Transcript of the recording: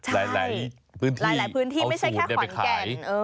ใช่หลายพื้นที่เอาสูบได้ไปขาย